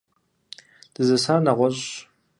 Дызэсар нэгъуэщӀщ.